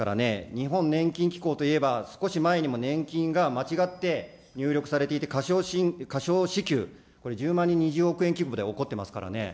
日本年金機構といえば、少し前にも年金が間違って入力されていて、過少支給、これ１０万人に２０億円規模で起こってますからね。